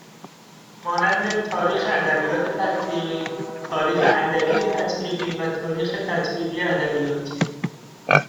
مانند تاریخ ادبیات تطبیقی تاریخ ادبی تطبیقی و تاریخ تطبیقی ادبیات